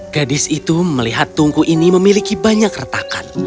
gadis itu melihat tungku ini memiliki banyak retakan